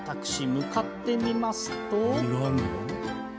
向かってみると。